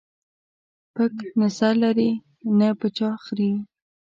پک نه سر لري ، نې په چا خريي.